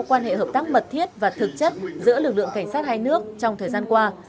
quan hệ hợp tác mật thiết và thực chất giữa lực lượng cảnh sát hai nước trong thời gian qua